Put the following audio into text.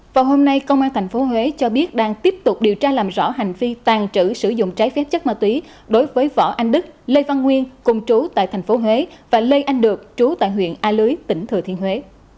vào hôm nay công an tp huế cho biết đang tiếp tục điều tra làm rõ hành vi tàn trữ sử dụng trái phép chất ma túy đối với võ anh đức lê văn nguyên cùng trú tại tp huế và lê anh được trú tại huyện a lưới tỉnh thừa thiên huế